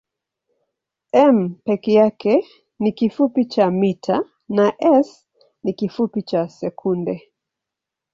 m peke yake ni kifupi cha mita na s ni kifupi cha sekunde.